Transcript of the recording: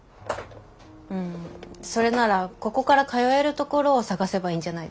うんそれならここから通えるところを探せばいいんじゃないですか？